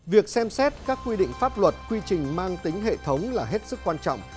việc xem xét các quy định pháp luật quy trình mang tính hệ thống là hết sức quan trọng